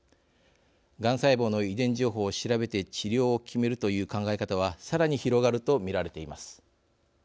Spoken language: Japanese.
がん細胞の遺伝情報を調べて治療を決めるという考え方はさらに広がると見られています。